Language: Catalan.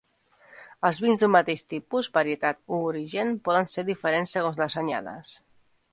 Els vins d'un mateix tipus, varietat o origen poden ser diferents segons les anyades.